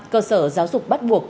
cơ sở giáo dục bắt buộc